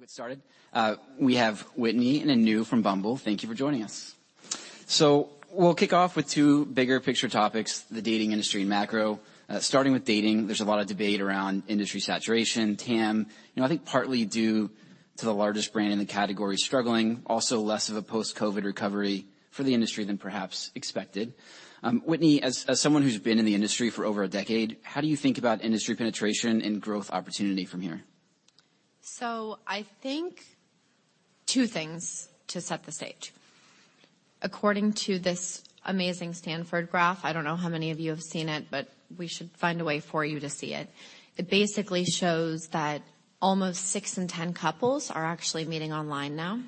All right, we'll get started. We have Whitney and Anu from Bumble. Thank you for joining us. We'll kick off with two bigger picture topics, the dating industry and macro. Starting with dating. There's a lot of debate around industry saturation, TAM, you know, I think partly due to the largest brand in the category struggling, also less of a post-COVID recovery for the industry than perhaps expected. Whitney, as someone who's been in the industry for over a decade, how do you think about industry penetration and growth opportunity from here? I think two things to set the stage. According to this amazing Stanford graph, I don't know how many of you have seen it, but we should find a way for you to see it. It basically shows that almost six in 10 couples are actually meeting online now,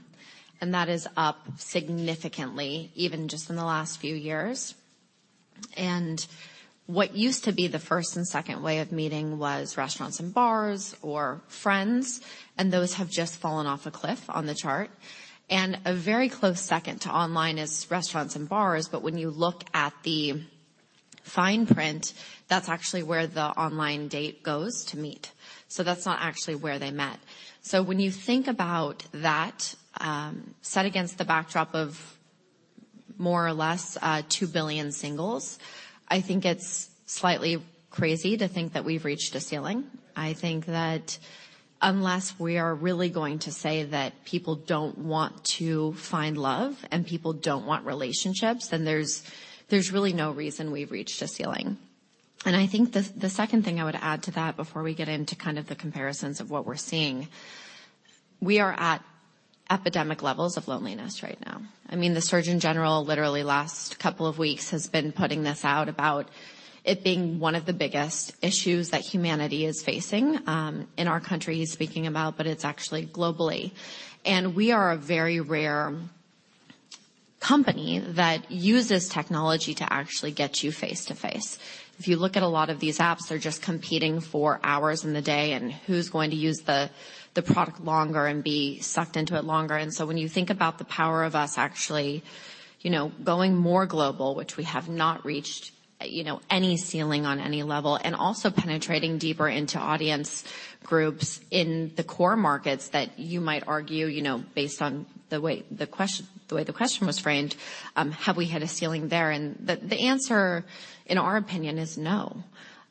and that is up significantly, even just in the last few years. What used to be the first and second way of meeting was restaurants and bars or friends, and those have just fallen off a cliff on the chart. A very close second to online is restaurants and bars. When you look at the fine print, that's actually where the online date goes to meet. That's not actually where they met. When you think about that, set against the backdrop of more or less, 2 billion singles, I think it's slightly crazy to think that we've reached a ceiling. I think that unless we are really going to say that people don't want to find love and people don't want relationships, then there's really no reason we've reached a ceiling. I think the second thing I would add to that before we get into kind of the comparisons of what we're seeing, we are at epidemic levels of loneliness right now. I mean, the Surgeon General literally last couple of weeks has been putting this out about it being one of the biggest issues that humanity is facing, in our country he's speaking about, but it's actually globally. We are a very rare company that uses technology to actually get you face-to-face. If you look at a lot of these apps, they're just competing for hours in the day and who's going to use the product longer and be sucked into it longer. When you think about the power of us actually, you know, going more global, which we have not reached, you know, any ceiling on any level, and also penetrating deeper into audience groups in the core markets that you might argue, you know, based on the way the question was framed, have we hit a ceiling there? The answer in our opinion is no.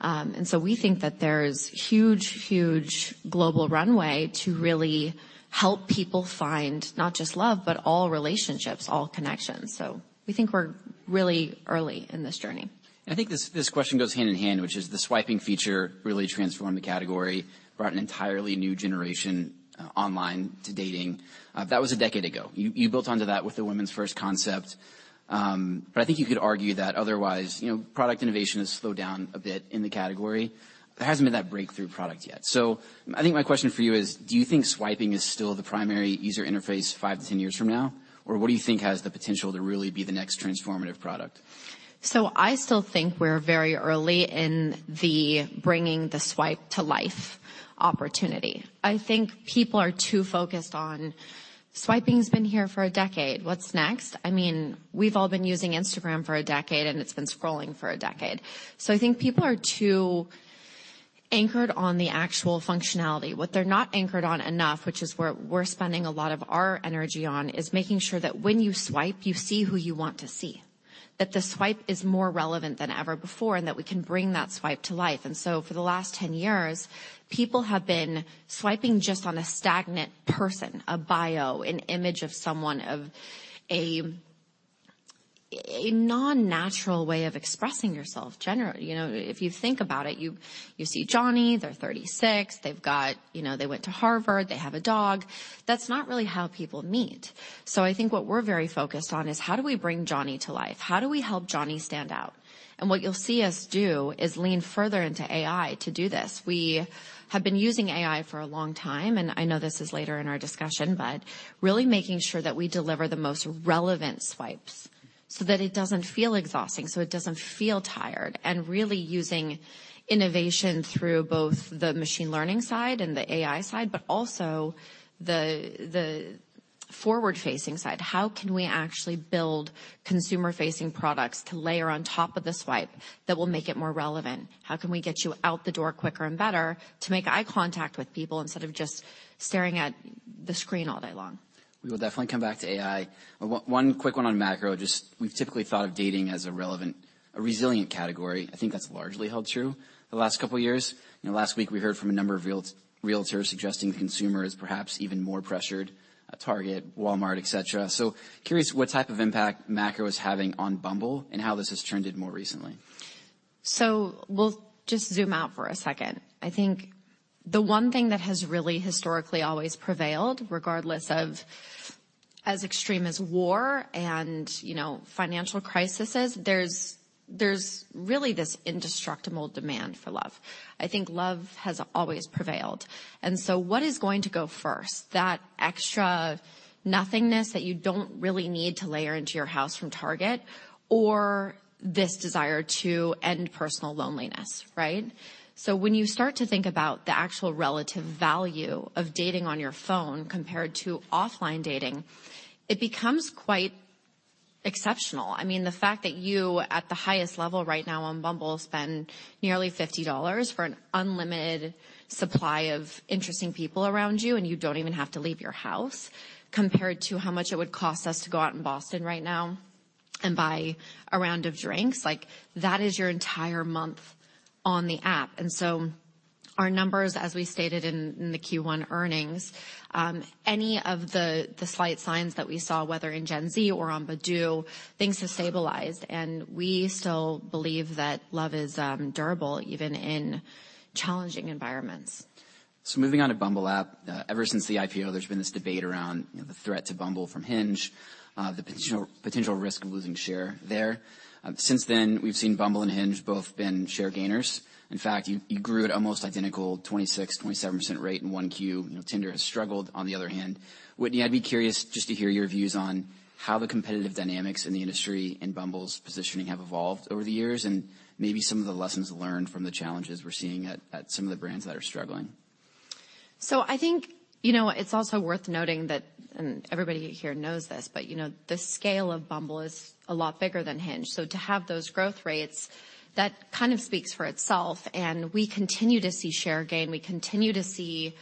We think that there's huge global runway to really help people find not just love, but all relationships, all connections. We think we're really early in this journey. I think this question goes hand in hand, which is the swiping feature really transformed the category, brought an entirely new generation online to dating. That was a decade ago. You built onto that with the women's first concept. I think you could argue that otherwise, you know, product innovation has slowed down a bit in the category. There hasn't been that breakthrough product yet. I think my question for you is, do you think swiping is still the primary user interface 5-10 years from now? What do you think has the potential to really be the next transformative product? I still think we're very early in the bringing the swipe to life opportunity. I think people are too focused on swiping's been here for a decade. What's next? I mean, we've all been using Instagram for a decade, and it's been scrolling for a decade. I think people are too anchored on the actual functionality. What they're not anchored on enough, which is where we're spending a lot of our energy on, is making sure that when you swipe, you see who you want to see, that the swipe is more relevant than ever before, and that we can bring that swipe to life. For the last 10 years, people have been swiping just on a stagnant person, a bio, an image of someone, of a non-natural way of expressing yourself generally. You know, if you think about it, you see Johnny, they're 36, they've got, you know, they went to Harvard, they have a dog. That's not really how people meet. I think what we're very focused on is how do we bring Johnny to life? How do we help Johnny stand out? What you'll see us do is lean further into AI to do this. We have been using AI for a long time, and I know this is later in our discussion, but really making sure that we deliver the most relevant swipes so that it doesn't feel exhausting, so it doesn't feel tired. Really using innovation through both the machine learning side and the AI side, but also the forward-facing side. How can we actually build consumer-facing products to layer on top of the swipe that will make it more relevant? How can we get you out the door quicker and better to make eye contact with people instead of just staring at the screen all day long? We will definitely come back to AI. One quick one on macro. Just we've typically thought of dating as a relevant, a resilient category. I think that's largely held true the last couple of years. You know, last week we heard from a number of realtors suggesting the consumer is perhaps even more pressured at Target, Walmart, etc. Curious what type of impact macro is having on Bumble and how this has trended more recently. We'll just zoom out for a second. I think the one thing that has really historically always prevailed, regardless of as extreme as war and, you know, financial crisis is there's really this indestructible demand for love. I think love has always prevailed. What is going to go first? That extra nothingness that you don't really need to layer into your house from Target or this desire to end personal loneliness, right? When you start to think about the actual relative value of dating on your phone compared to offline dating, it becomes quite exceptional. I mean, the fact that you at the highest level right now on Bumble spend nearly $50 for an unlimited supply of interesting people around you, and you don't even have to leave your house, compared to how much it would cost us to go out in Boston right now and buy a round of drinks. Like, that is your entire month on the app. Our numbers, as we stated in the Q1 earnings, any of the slight signs that we saw, whether in Gen Z or on Badoo, things have stabilized. We still believe that love is durable even in challenging environments. Moving on to Bumble app. Ever since the IPO, there's been this debate around, you know, the threat to Bumble from Hinge, the potential risk of losing share there. Since then, we've seen Bumble and Hinge both been share gainers. In fact, you grew at almost identical 26%, 27% rate in 1Q. You know, Tinder has struggled on the other hand. Whitney, I'd be curious just to hear your views on how the competitive dynamics in the industry and Bumble's positioning have evolved over the years, and maybe some of the lessons learned from the challenges we're seeing at some of the brands that are struggling. I think, you know, it's also worth noting that, and everybody here knows this, but, you know, the scale of Bumble is a lot bigger than Hinge. To have those growth rates, that kind of speaks for itself. We continue to see share gain. We continue to see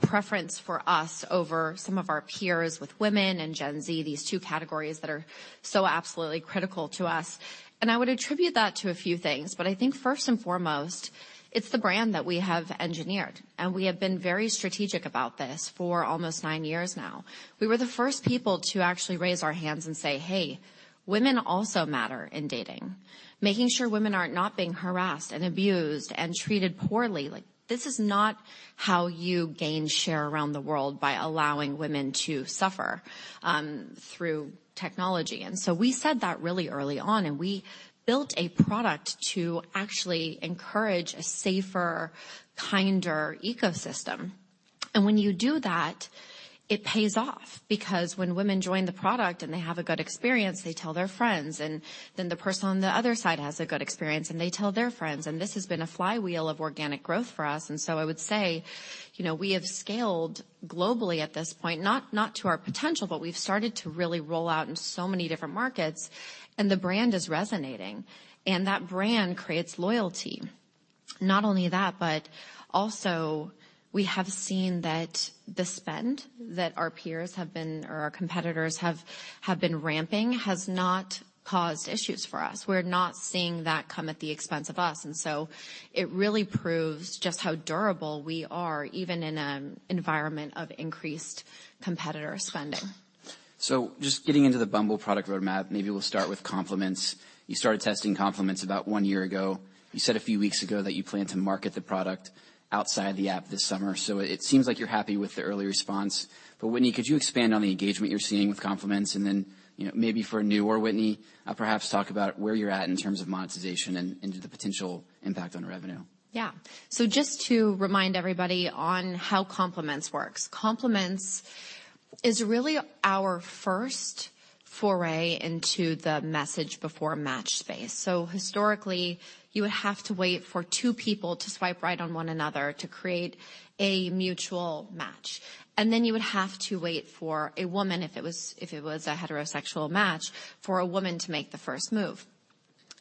preference for us over some of our peers with women and Gen Z, these two categories that are so absolutely critical to us. I would attribute that to a few things. I think first and foremost, it's the brand that we have engineered. We have been very strategic about this for almost nine years now. We were the first people to actually raise our hands and say, "Hey, women also matter in dating." Making sure women are not being harassed and abused and treated poorly. Like, this is not how you gain share around the world by allowing women to suffer through technology. We said that really early on, and we built a product to actually encourage a safer, kinder ecosystem. When you do that, it pays off, because when women join the product and they have a good experience, they tell their friends, and then the person on the other side has a good experience, and they tell their friends. This has been a flywheel of organic growth for us. I would say, you know, we have scaled globally at this point, not to our potential, but we've started to really roll out in so many different markets and the brand is resonating. That brand creates loyalty. Not only that, also we have seen that the spend that our peers have been or our competitors have been ramping has not caused issues for us. We're not seeing that come at the expense of us. It really proves just how durable we are, even in an environment of increased competitor spending. Just getting into the Bumble product roadmap, maybe we'll start with Compliments. You started testing Compliments about one year ago. You said a few weeks ago that you plan to market the product outside the app this summer. It seems like you're happy with the early response. Whitney, could you expand on the engagement you're seeing with Compliments and then, you know, maybe for Anu or Whitney, perhaps talk about where you're at in terms of monetization and the potential impact on revenue. Yeah. Just to remind everybody on how Compliments works. Compliments is really our first foray into the message before match space. Historically, you would have to wait for two people to swipe right on one another to create a mutual match. Then you would have to wait for a woman, if it was a heterosexual match, for a woman to make the first move.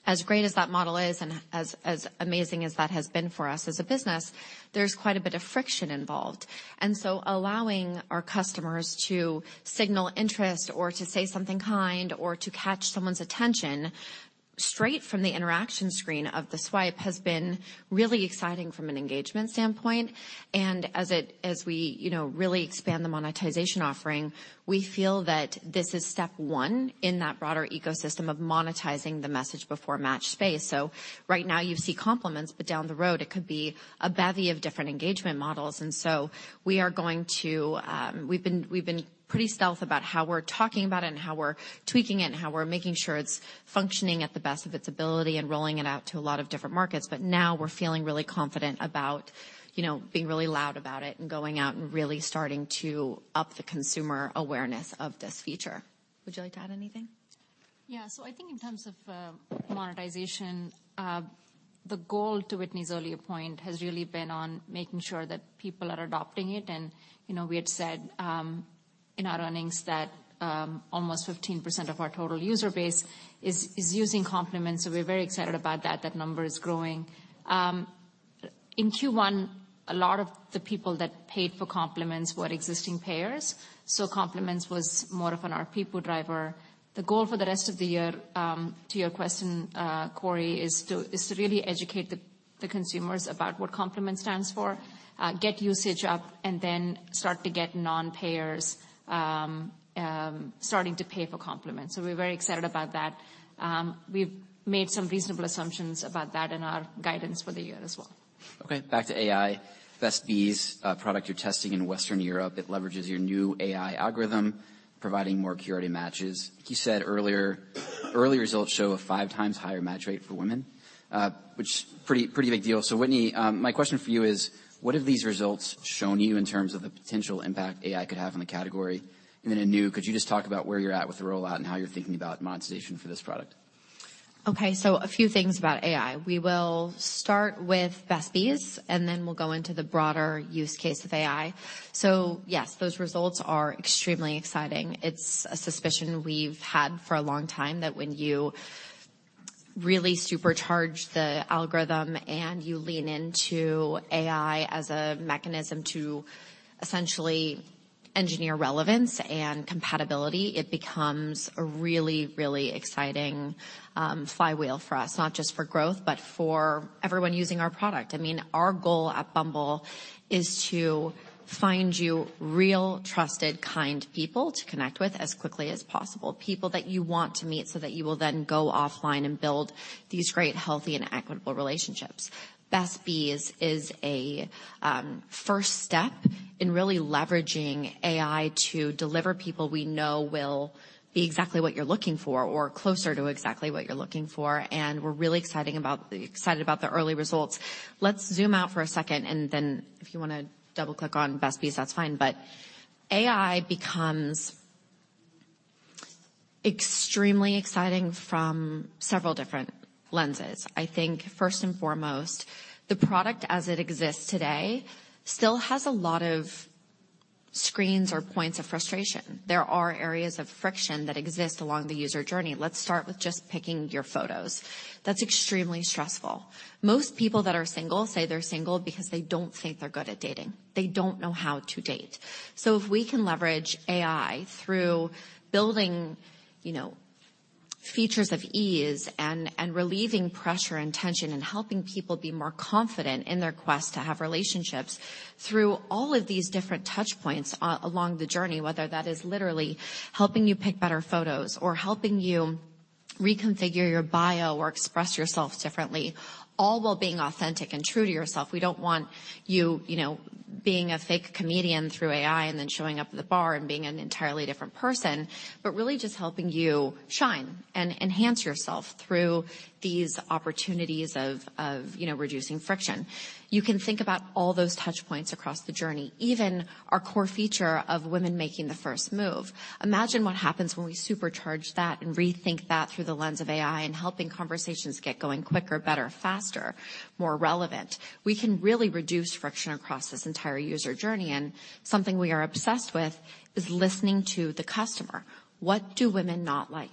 As great as that model is and as amazing as that has been for us as a business, there's quite a bit of friction involved. Allowing our customers to signal interest or to say something kind or to catch someone's attention straight from the interaction screen of the swipe has been really exciting from an engagement standpoint. As we, you know, really expand the monetization offering, we feel that this is step one in that broader ecosystem of monetizing the message before match space. Right now you see Compliments, but down the road it could be a bevy of different engagement models. We've been pretty stealth about how we're talking about it and how we're tweaking it and how we're making sure it's functioning at the best of its ability and rolling it out to a lot of different markets. Now we're feeling really confident about, you know, being really loud about it and going out and really starting to up the consumer awareness of this feature. Would you like to add anything? Yeah. I think in terms of monetization, the goal to Whitney's earlier point has really been on making sure that people are adopting it. You know, we had said in our earnings that almost 15% of our total user base is using Compliments, so we're very excited about that. That number is growing. In Q1, a lot of the people that paid for Compliments were existing payers, so Compliments was more of an RPPU driver. The goal for the rest of the year, to your question, Cory, is to really educate the consumers about what Compliments stands for, get usage up, and then start to get non-payers starting to pay for Compliments. We're very excited about that. We've made some reasonable assumptions about that in our guidance for the year as well. Okay, back to AI. Best Bees, a product you're testing in Western Europe, it leverages your new AI algorithm, providing more curated matches. Early results show a 5x higher match rate for women, which pretty big deal. Whitney, my question for you is, what have these results shown you in terms of the potential impact AI could have on the category? Anu, could you just talk about where you're at with the rollout and how you're thinking about monetization for this product? Okay, a few things about AI. We will start with Best Bees, and then we'll go into the broader use case of AI. Yes, those results are extremely exciting. It's a suspicion we've had for a long time that when you really supercharge the algorithm and you lean into AI as a mechanism to essentially engineer relevance and compatibility, it becomes a really, really exciting flywheel for us, not just for growth, but for everyone using our product. I mean, our goal at Bumble is to find you real, trusted, kind people to connect with as quickly as possible, people that you want to meet so that you will then go offline and build these great, healthy and equitable relationships. Best Bees is a first step in really leveraging AI to deliver people we know will be exactly what you're looking for or closer to exactly what you're looking for. We're really excited about the early results. Let's zoom out for a second, and then if you wanna double-click on Best Bees, that's fine. AI becomes extremely exciting from several different lenses. I think first and foremost, the product as it exists today still has a lot of screens or points of frustration. There are areas of friction that exist along the user journey. Let's start with just picking your photos. That's extremely stressful. Most people that are single say they're single because they don't think they're good at dating. They don't know how to date. If we can leverage AI through building, you know, features of ease and relieving pressure and tension and helping people be more confident in their quest to have relationships through all of these different touch points along the journey, whether that is literally helping you pick better photos or helping you reconfigure your bio or express yourself differently, all while being authentic and true to yourself. We don't want you know, being a fake comedian through AI and then showing up at the bar and being an entirely different person, but really just helping you shine and enhance yourself through these opportunities of, you know, reducing friction. You can think about all those touch points across the journey, even our core feature of women making the first move. Imagine what happens when we supercharge that and rethink that through the lens of AI and helping conversations get going quicker, better, faster, more relevant. We can really reduce friction across this entire user journey. Something we are obsessed with is listening to the customer. What do women not like?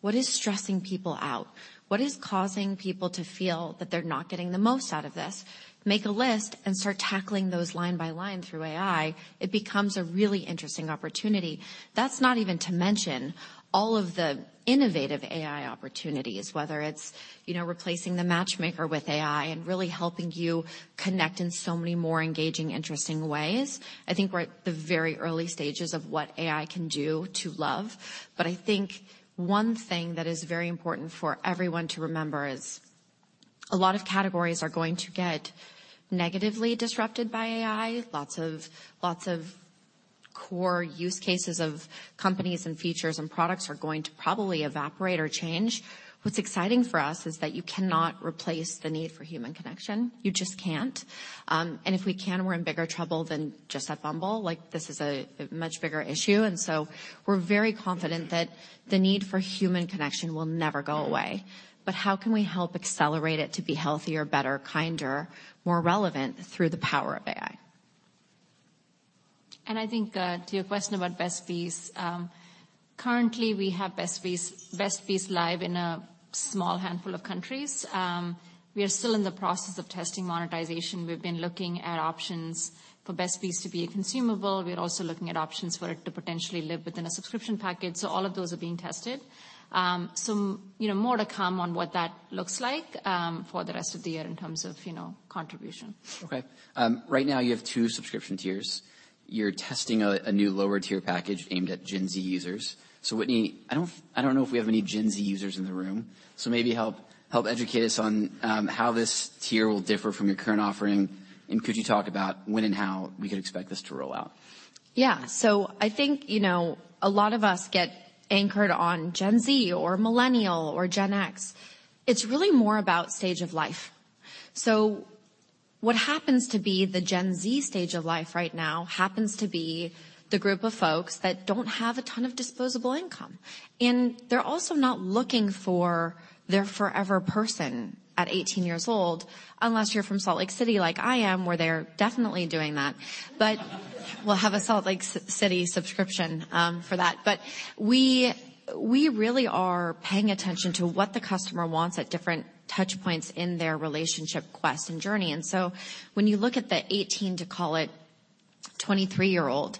What is stressing people out? What is causing people to feel that they're not getting the most out of this? Make a list and start tackling those line by line through AI. It becomes a really interesting opportunity. That's not even to mention all of the innovative AI opportunities, whether it's, you know, replacing the matchmaker with AI and really helping you connect in so many more engaging, interesting ways. I think we're at the very early stages of what AI can do to love. I think one thing that is very important for everyone to remember is a lot of categories are going to get negatively disrupted by AI. Lots of core use cases of companies and features and products are going to probably evaporate or change. What's exciting for us is that you cannot replace the need for human connection. You just can't. If we can, we're in bigger trouble than just at Bumble. Like, this is a much bigger issue. We're very confident that the need for human connection will never go away. How can we help accelerate it to be healthier, better, kinder, more relevant through the power of AI? I think, to your question about Best Bees, currently, we have Best Bees live in a small handful of countries. We are still in the process of testing monetization. We've been looking at options for Best Bees to be a consumable. We are also looking at options for it to potentially live within a subscription package. All of those are being tested. Some, you know, more to come on what that looks like for the rest of the year in terms of, you know, contribution. Okay. Right now, you have two subscription tiers. You're testing a new lower tier package aimed at Gen Z users. Whitney, I don't know if we have any Gen Z users in the room, maybe help educate us on how this tier will differ from your current offering. Could you talk about when and how we could expect this to roll out? I think, you know, a lot of us get anchored on Gen Z or Millennial or Gen X. It's really more about stage of life. What happens to be the Gen Z stage of life right now happens to be the group of folks that don't have a ton of disposable income, and they're also not looking for their forever person at 18 years old, unless you're from Salt Lake City like I am, where they're definitely doing that. We'll have a Salt Lake City subscription for that. We really are paying attention to what the customer wants at different touch points in their relationship quest and journey. When you look at the 18 to, call it 23-year-old,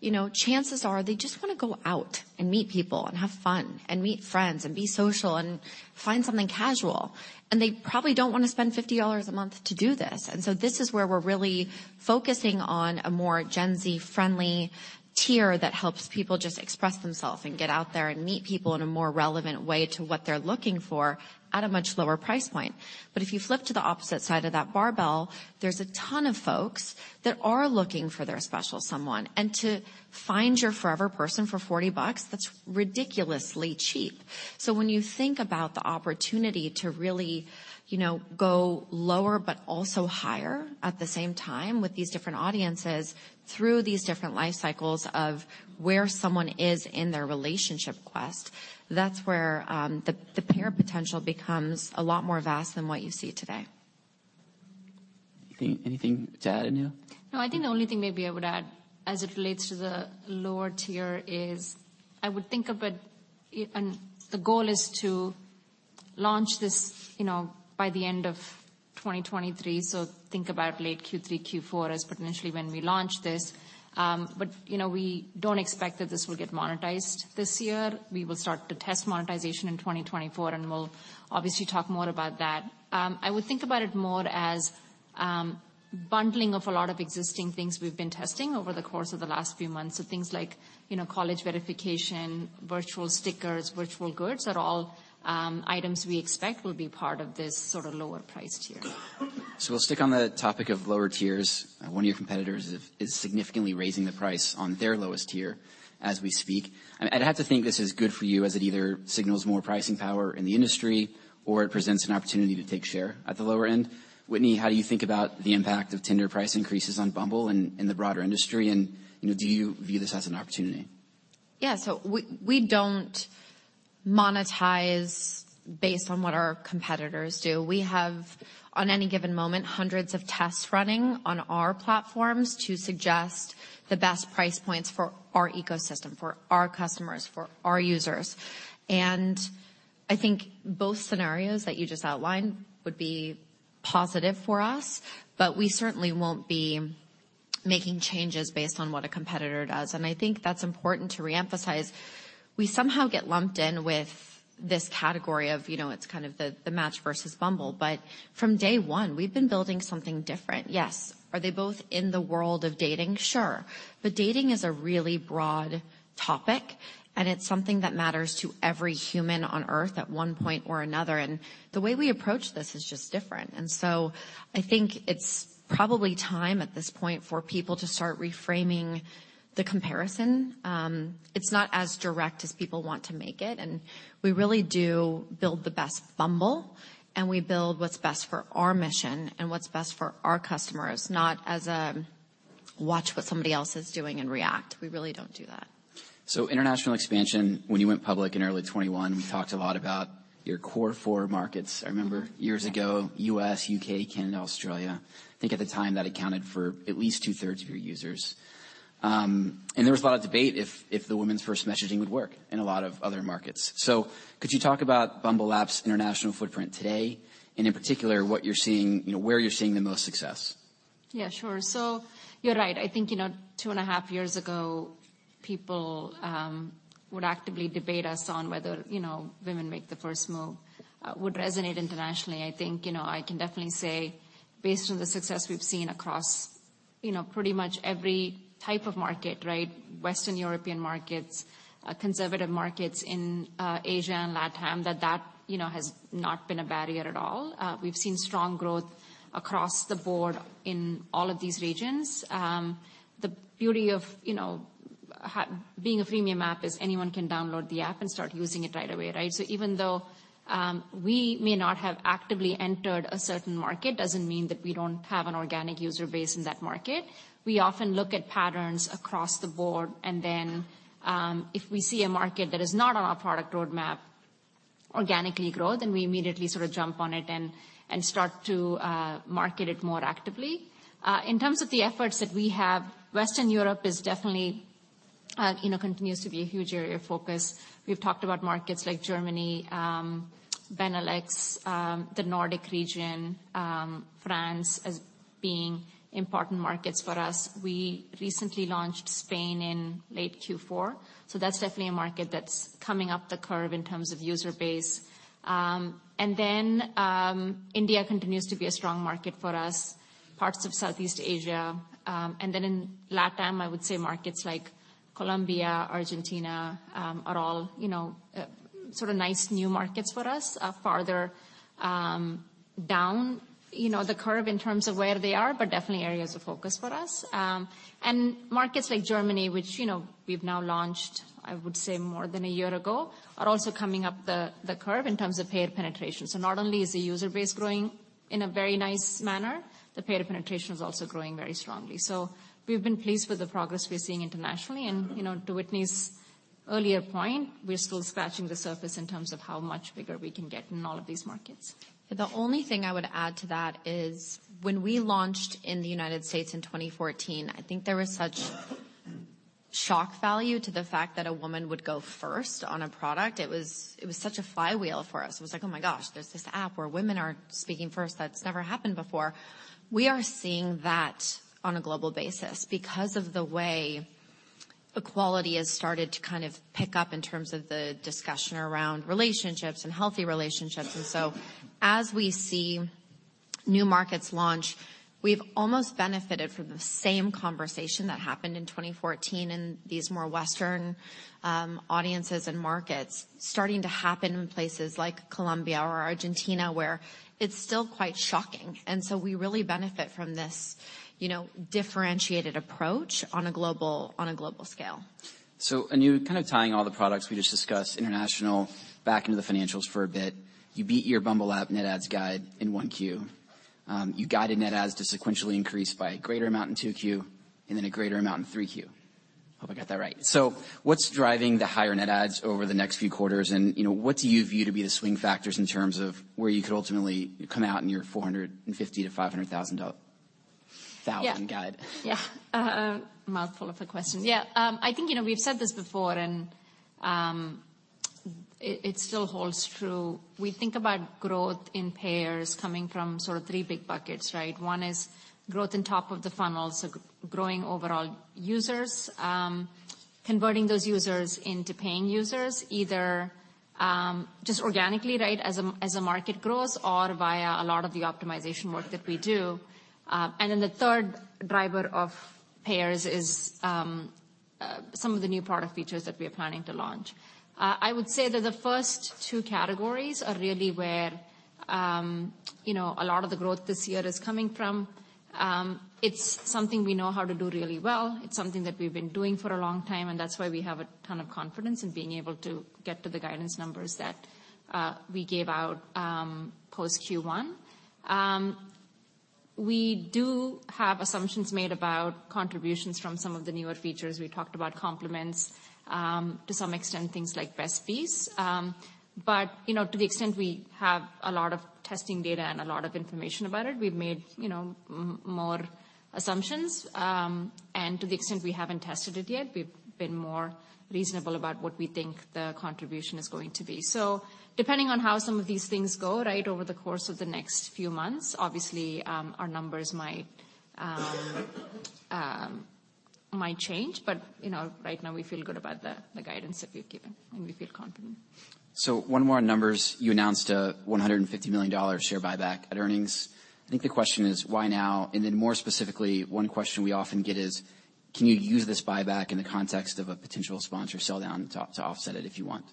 you know, chances are they just wanna go out and meet people and have fun and meet friends and be social and find something casual, and they probably don't wanna spend $50 a month to do this. This is where we're really focusing on a more Gen Z-friendly tier that helps people just express themselves and get out there and meet people in a more relevant way to what they're looking for at a much lower price point. If you flip to the opposite side of that barbell, there's a ton of folks that are looking for their special someone. To find your forever person for $40, that's ridiculously cheap. When you think about the opportunity to really, you know, go lower but also higher at the same time with these different audiences through these different life cycles of where someone is in their relationship quest, that's where the pair potential becomes a lot more vast than what you see today. Anything, anything to add, Anu? I think the only thing maybe I would add as it relates to the lower tier is I would think of it, and the goal is to launch this, you know, by the end of 2023, so think about late Q3, Q4 as potentially when we launch this. You know, we don't expect that this will get monetized this year. We will start to test monetization in 2024, and we'll obviously talk more about that. I would think about it more as bundling of a lot of existing things we've been testing over the course of the last few months. Things like, you know, college verification, virtual stickers, virtual goods are all items we expect will be part of this sort of lower priced tier. We'll stick on the topic of lower tiers. One of your competitors is significantly raising the price on their lowest tier as we speak. I'd have to think this is good for you, as it either signals more pricing power in the industry or it presents an opportunity to take share at the lower end. Whitney, how do you think about the impact of Tinder price increases on Bumble and the broader industry? Do you view this as an opportunity? Yeah. We don't monetize based on what our competitors do. We have, on any given moment, hundreds of tests running on our platforms to suggest the best price points for our ecosystem, for our customers, for our users. I think both scenarios that you just outlined would be positive for us, but we certainly won't be making changes based on what a competitor does. I think that's important to reemphasize. We somehow get lumped in with this category of, you know, it's kind of the Match versus Bumble, but from day one we've been building something different. Yes. Are they both in the world of dating? Sure. Dating is a really broad topic, and it's something that matters to every human on Earth at one point or another. The way we approach this is just different. I think it's probably time at this point for people to start reframing the comparison. It's not as direct as people want to make it. We really do build the best Bumble, and we build what's best for our mission and what's best for our customers, not as a watch what somebody else is doing and react. We really don't do that. International expansion. When you went public in early 2021, you talked a lot about your core 4 markets. I remember years ago, U.S., U.K., Canada, Australia, I think at the time that accounted for at least 2/3 of your users. There was a lot of debate if the women's first messaging would work in a lot of other markets. Could you talk about Bumble app's international footprint today and in particular what you're seeing, you know, where you're seeing the most success? Yeah, sure. You're right. I think, you know, 2.5 years ago, people would actively debate us on whether, you know, women make the first move would resonate internationally. I think, you know, I can definitely say based on the success we've seen across, you know, pretty much every type of market, right? Western European markets, conservative markets in Asia and LatAm, that, you know, has not been a barrier at all. We've seen strong growth across the board in all of these regions. The beauty of, you know, being a freemium app is anyone can download the app and start using it right away, right? Even though we may not have actively entered a certain market, doesn't mean that we don't have an organic user base in that market. We often look at patterns across the board, then, if we see a market that is not on our product roadmap organically grow, then we immediately sort of jump on it and start to market it more actively. In terms of the efforts that we have, Western Europe is definitely, you know, continues to be a huge area of focus. We've talked about markets like Germany, Benelux, the Nordic region, France as being important markets for us. We recently launched Spain in late Q4, that's definitely a market that's coming up the curve in terms of user base. India continues to be a strong market for us, parts of Southeast Asia, in LatAm, I would say markets like Colombia, Argentina, are all, you know, sort of nice new markets for us, farther down, you know, the curve in terms of where they are, but definitely areas of focus for us. Markets like Germany, which, you know, we've now launched, I would say more than 1 year ago, are also coming up the curve in terms of paid penetration. Not only is the user base growing in a very nice manner, the paid penetration is also growing very strongly. We've been pleased with the progress we're seeing internationally. You know, to Whitney's earlier point, we're still scratching the surface in terms of how much bigger we can get in all of these markets. The only thing I would add to that is when we launched in the United States in 2014, I think there was such shock value to the fact that a woman would go first on a product. It was such a flywheel for us. It was like, "Oh my gosh, there's this app where women are speaking first. That's never happened before." We are seeing that on a global basis because of the way equality has started to kind of pick up in terms of the discussion around relationships and healthy relationships. As we see new markets launch, we've almost benefited from the same conversation that happened in 2014 in these more Western, audiences and markets starting to happen in places like Colombia or Argentina, where it's still quite shocking. We really benefit from this, you know, differentiated approach on a global scale. Anu kind of tying all the products we just discussed international back into the financials for a bit. You beat your Bumble app net adds guide in 1Q. You guided net adds to sequentially increase by a greater amount in 2Q and then a greater amount in 3Q. Hope I got that right. What's driving the higher net adds over the next few quarters? You know, what do you view to be the swing factors in terms of where you could ultimately come out in your $450,000-$500,000? Yeah. 1,0000 guide? Yeah. mouthful of a question. Yeah. I think, you know, we've said this before and, it still holds true. We think about growth in payers coming from sort of three big buckets, right? One is growth in top of the funnels, so growing overall users, converting those users into paying users either, just organically, right, as a, as a market grows or via a lot of the optimization work that we do. The third driver of payers is some of the new product features that we are planning to launch. I would say that the first two categories are really where, you know, a lot of the growth this year is coming from. It's something we know how to do really well. It's something that we've been doing for a long time, and that's why we have a ton of confidence in being able to get to the guidance numbers that we gave out post Q1. We do have assumptions made about contributions from some of the newer features. We talked about Compliments to some extent, things like Best Bees. You know, to the extent we have a lot of testing data and a lot of information about it, we've made, you know, more assumptions. To the extent we haven't tested it yet, we've been more reasonable about what we think the contribution is going to be. Depending on how some of these things go, right, over the course of the next few months, obviously, our numbers might change, but, you know, right now we feel good about the guidance that we've given, and we feel confident. One more on numbers. You announced a $150 million share buyback at earnings. I think the question is why now? More specifically, one question we often get is, can you use this buyback in the context of a potential sponsor sell down to offset it if you want?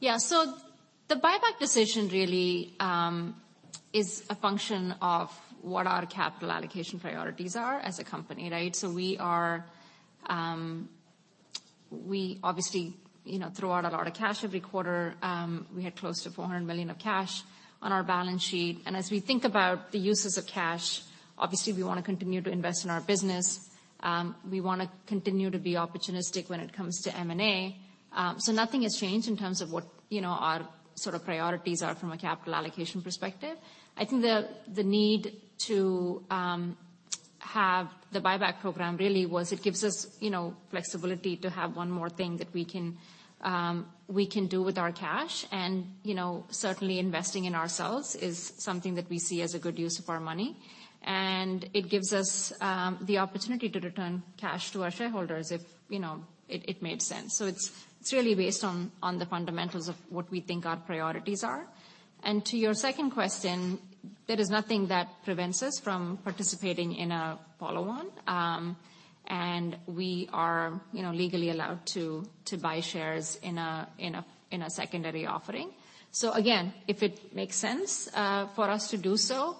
Yeah. The buyback decision really, is a function of what our capital allocation priorities are as a company, right? We obviously, you know, throw out a lot of cash every quarter. We had close to $400 million of cash on our balance sheet. And as we think about the uses of cash, obviously we wanna continue to invest in our business. We wanna continue to be opportunistic when it comes to M&A. Nothing has changed in terms of what, you know, our sort of priorities are from a capital allocation perspective. I think the need to, have the buyback program really was it gives us, you know, flexibility to have one more thing that we can, we can do with our cash. You know, certainly investing in ourselves is something that we see as a good use of our money, and it gives us the opportunity to return cash to our shareholders if, you know, it made sense. It's really based on the fundamentals of what we think our priorities are. To your second question, there is nothing that prevents us from participating in a follow-on. And we are, you know, legally allowed to buy shares in a secondary offering. Again, if it makes sense for us to do so,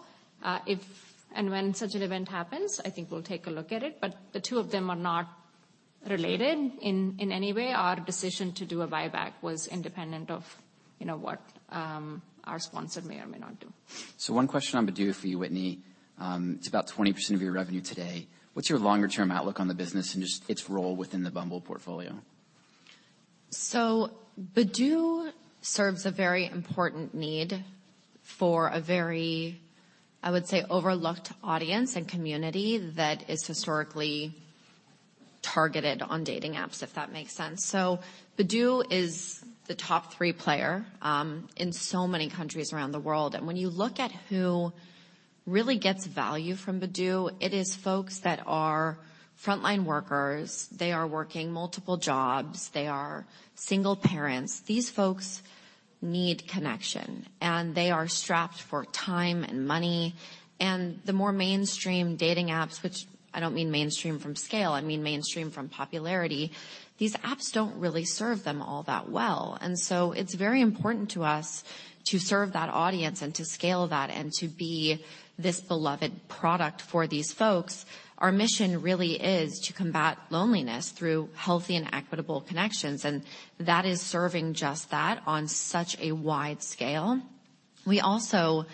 if and when such an event happens, I think we'll take a look at it. The two of them are not related in any way. Our decision to do a buyback was independent of, you know, what, our sponsor may or may not do. One question on Badoo for you, Whitney. It's about 20% of your revenue today. What's your longer-term outlook on the business and just its role within the Bumble portfolio? Badoo serves a very important need for a very, I would say, overlooked audience and community that is historically targeted on dating apps, if that makes sense. Badoo is the top three player in so many countries around the world. When you look at who really gets value from Badoo, it is folks that are frontline workers. They are working multiple jobs. They are single parents. These folks need connection, and they are strapped for time and money. The more mainstream dating apps, which I don't mean mainstream from scale, I mean mainstream from popularity, these apps don't really serve them all that well. It's very important to us to serve that audience and to scale that and to be this beloved product for these folks. Our mission really is to combat loneliness through healthy and equitable connections, and that is serving just that on such a wide scale. We also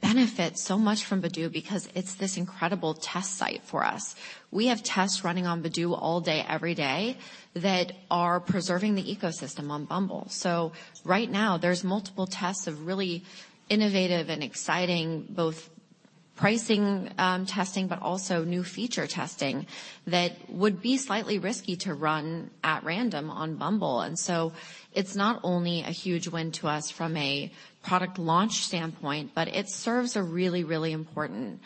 benefit so much from Badoo because it's this incredible test site for us. We have tests running on Badoo all day, every day that are preserving the ecosystem on Bumble. Right now, there's multiple tests of really innovative and exciting, both pricing, testing, but also new feature testing that would be slightly risky to run at random on Bumble. It's not only a huge win to us from a product launch standpoint, but it serves a really, really important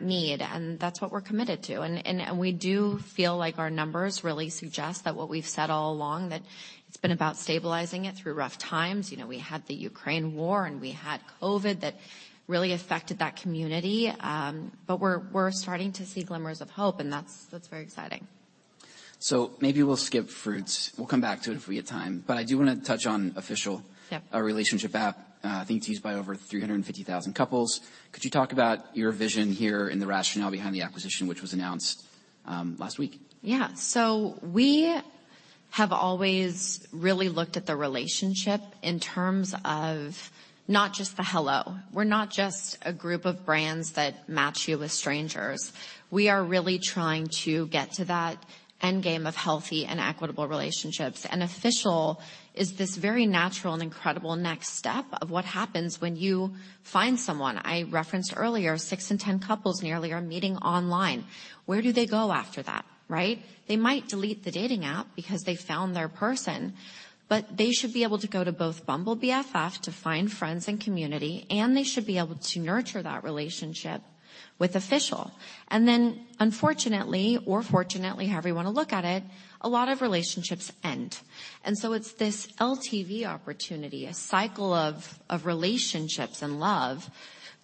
need, and that's what we're committed to. We do feel like our numbers really suggest that what we've said all along, that it's been about stabilizing it through rough times. You know, we had the Ukraine war, and we had COVID that really affected that community. We're starting to see glimmers of hope, and that's very exciting. Maybe we'll skip Fruitz. We'll come back to it if we have time. I do wanna touch on Official- Yep. -our relationship app. I think it's used by over 350,000 couples. Could you talk about your vision here and the rationale behind the acquisition, which was announced last week? Yeah. Have always really looked at the relationship in terms of not just the hello. We're not just a group of brands that match you with strangers. We are really trying to get to that end game of healthy and equitable relationships. Official is this very natural and incredible next step of what happens when you find someone. I referenced earlier, six in 10 couples nearly are meeting online. Where do they go after that, right? They might delete the dating app because they found their person, but they should be able to go to both Bumble BFF to find friends and community, they should be able to nurture that relationship with Official. Unfortunately or fortunately, however you wanna look at it, a lot of relationships end. It's this LTV opportunity, a cycle of relationships and love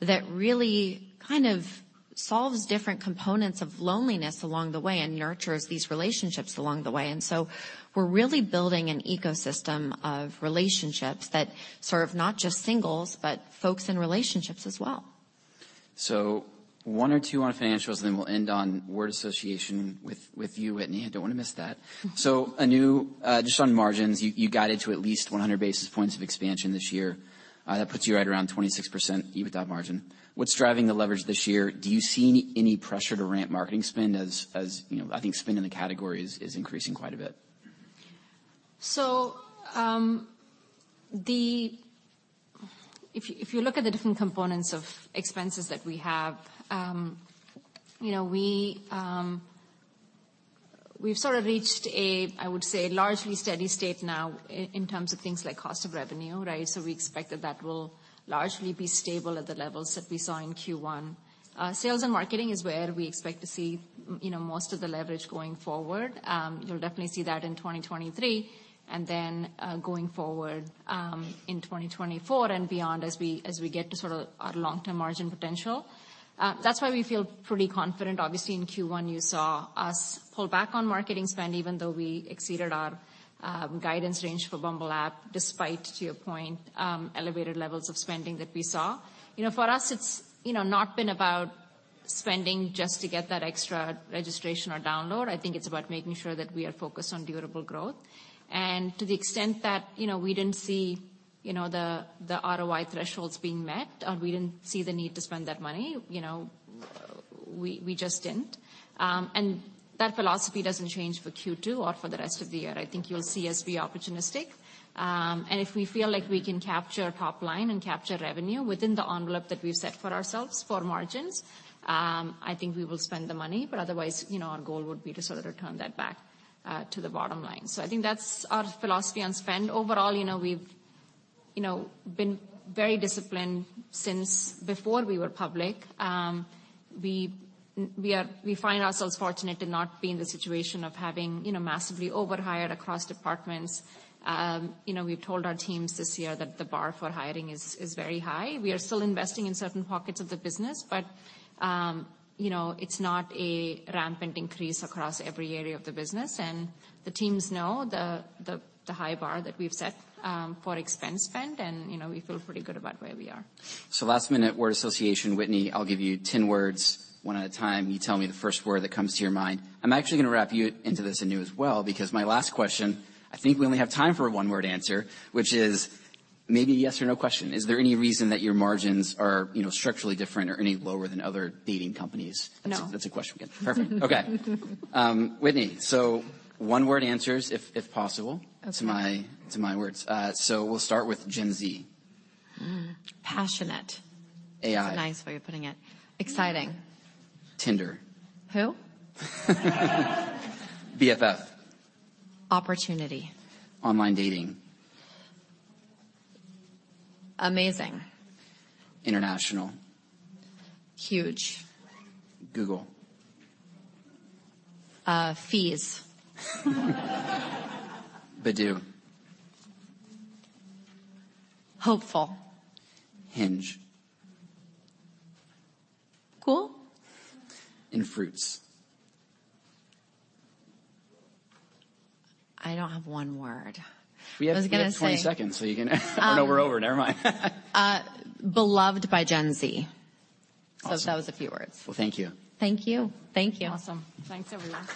that really kind of solves different components of loneliness along the way and nurtures these relationships along the way. We're really building an ecosystem of relationships that serve not just singles, but folks in relationships as well. One or two on financials, then we'll end on word association with you, Whitney. I don't wanna miss that. Anu, just on margins, you guided to at least 100 basis points of expansion this year. That puts you right around 26% EBITDA margin. What's driving the leverage this year? Do you see any pressure to ramp marketing spend as, you know, I think spend in the category is increasing quite a bit. If you look at the different components of expenses that we have, you know, we've sort of reached a, I would say, largely steady state now in terms of things like cost of revenue, right? We expect that that will largely be stable at the levels that we saw in Q1. Sales and marketing is where we expect to see, you know, most of the leverage going forward. You'll definitely see that in 2023, and then going forward in 2024 and beyond as we get to sort of our long-term margin potential. That's why we feel pretty confident. Obviously, in Q1 you saw us pull back on marketing spend even though we exceeded our guidance range for Bumble app, despite, to your point, elevated levels of spending that we saw. You know, for us, it's, you know, not been about spending just to get that extra registration or download. I think it's about making sure that we are focused on durable growth. To the extent that, you know, we didn't see, you know, the ROI thresholds being met, we didn't see the need to spend that money. You know, we just didn't. That philosophy doesn't change for Q2 or for the rest of the year. I think you'll see us be opportunistic. If we feel like we can capture top line and capture revenue within the envelope that we've set for ourselves, for margins, I think we will spend the money. Otherwise, you know, our goal would be to sort of return that back, to the bottom line. I think that's our philosophy on spend. Overall, you know, we've, you know, been very disciplined since before we were public. We find ourselves fortunate to not be in the situation of having, you know, massively overhired across departments. You know, we've told our teams this year that the bar for hiring is very high. We are still investing in certain pockets of the business, but, you know, it's not a rampant increase across every area of the business. The teams know the high bar that we've set for expense spend, and, you know, we feel pretty good about where we are. Last-minute word association. Whitney, I'll give you 10 words one at a time. You tell me the first word that comes to your mind. I'm actually gonna wrap you into this, Anu, as well, because my last question, I think we only have time for a one-word answer, which is maybe a yes or no question. Is there any reason that your margins are, you know, structurally different or any lower than other dating companies? No. That's a question we get. Perfect. Okay. Whitney, one-word answers if possible- Okay. to my words. We'll start with Gen Z. Passionate. AI. That's a nice way of putting it. Exciting. Tinder. Who? BFF. Opportunity. Online dating. Amazing. International. Huge. Google. Fees. Badoo. Hopeful. Hinge. Cool? In Fruitz. I don't have one word. We have- I was gonna say- We have 20 seconds, so you can... Oh, no, we're over. Never mind. Beloved by Gen Z. Awesome. That was a few words. Well, thank you. Thank you. Thank you. Awesome. Thanks, everyone.